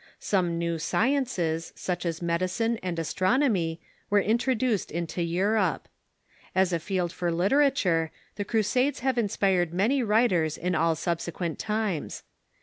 Some new sciences, such as medicine and astronomy, were introduced into Europe. As a field for literature, the Crusades have in spired many writers in all subsequent times.